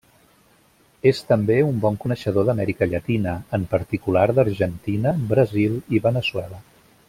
És també un bon coneixedor d'Amèrica Llatina, en particular d'Argentina, Brasil i Veneçuela.